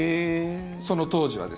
その当時は。